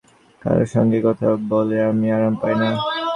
কারও সঙ্গেই কথা বলে আমি আরাম পাই না।